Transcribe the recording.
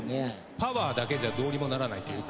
パワーだけじゃどうにもならないというか。